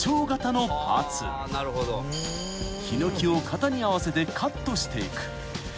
［ヒノキを型に合わせてカットしていく］